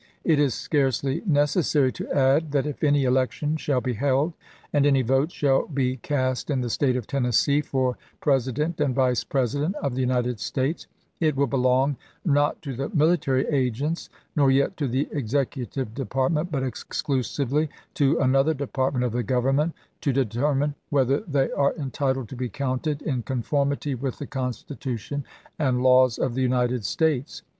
It is scarcely necessary to add that if any election shall be held, and any votes shall be cast in the State of Ten nessee for President and Vice President of the United States, it will belong not to the military agents, nor yet to the Executive Department, but exclusively to another department of the Government, to determine whether Lincoln to they are entitled to be counted in conformity with the ^mpbeu Constitution and laws of the United States.